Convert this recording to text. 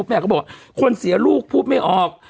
แม่ก็บอกคนเสียลูกพูดไม่ออก